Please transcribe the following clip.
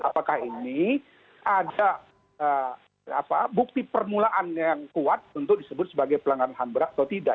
apakah ini ada bukti permulaan yang kuat untuk disebut sebagai pelanggaran ham berat atau tidak